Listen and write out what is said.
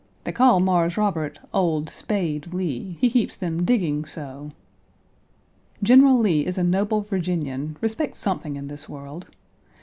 "They call Mars Robert 'Old Spade Lee.' He keeps them digging so." "General Lee is a noble Virginian. Respect something in this world.